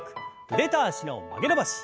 腕と脚の曲げ伸ばし。